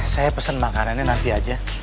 saya pesen makanan ini nanti aja